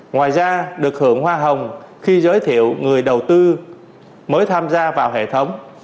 ngoài ra được hưởng hoa hồng khi giới thiệu người đầu tư mới tham gia vào hệ thống